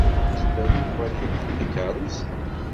Yezmer Yuba ad yenheṛ takeṛṛust?